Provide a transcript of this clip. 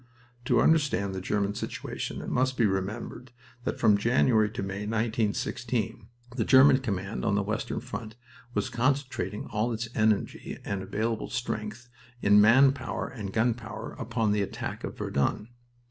To understand the German situation it must be remembered that from January to May, 1916, the German command on the western front was concentrating all its energy and available strength in man power and gun power upon the attack of Verdun.